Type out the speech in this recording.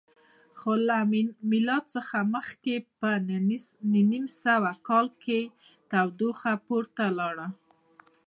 خو له میلاد څخه مخکې په نهه نیم سوه کال کې تودوخه پورته لاړه